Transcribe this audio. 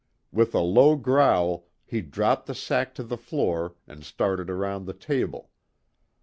With a low growl, he dropped the sack to the floor and started around the table.